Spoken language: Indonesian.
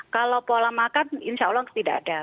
kalau pola makan insya allah tidak ada